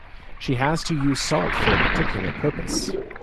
She has to use salt for a particular purpose.